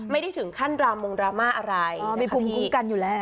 ไม่ได้ถึงขั้นดรามงดราม่าอะไรมีภูมิคุ้มกันอยู่แล้ว